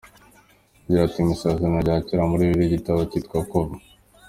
Agira ati “ Mu isezerano rya cyera muri Bibiliya, igitabo cyitwa Kuva.